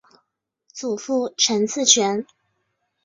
祖父陈赐全。